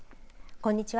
こんにちは。